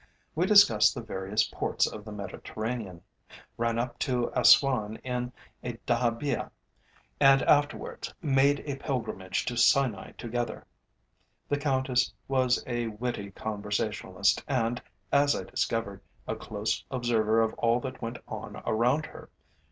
We discussed the various Ports of the Mediterranean, ran up to Assuan in a dahabiyeh, and afterwards made a pilgrimage to Sinai together. The Countess was a witty conversationalist and, as I discovered, a close observer of all that went on around her.